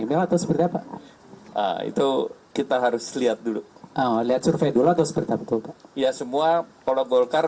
itu kita harus lihat dulu lihat survei dulu atau sepertinya betul ya semua pola golkar